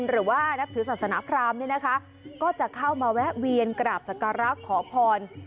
หรือว่านับถือศาสนาพรามเนี่ยนะคะก็จะเข้ามาแวะเวียนกราบสักการะขอพร